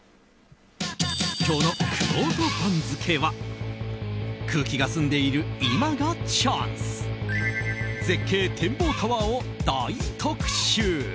今日のくろうと番付は空気が澄んでいる今がチャンス絶景展望タワーを大特集。